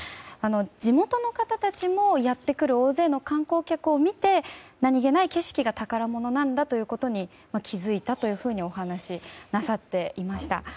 地元の方たちもやってくる大勢の観光客を見て何気ない景色が宝物なんだということに気づいたというふうにお話しなさっていました。